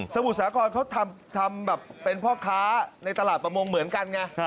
มุทรสาครเขาทำแบบเป็นพ่อค้าในตลาดประมงเหมือนกันไง